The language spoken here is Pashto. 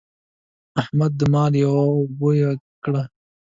احمده! دا مال یوه او اوبه يې کړه.